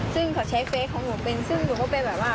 ซึ่งเขาใช้เฟสของหนูเป็นซึ่งหนูก็เป็นแบบว่า